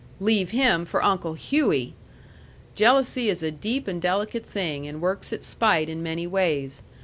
Leave him for Uncle Hershey! Jealousy is a deep and delicate thing, and works its spite in many ways.